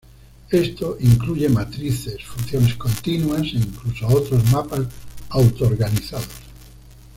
Esto incluye matrices, funciones continuas, e incluso otros mapas auto-organizados.